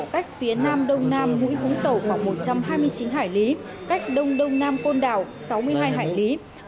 cách phía nam đông nam mũi vũng tàu khoảng một trăm hai mươi chín hải lý cách đông đông nam côn đảo sáu mươi hai hải lý